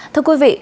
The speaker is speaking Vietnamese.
thưa quý vị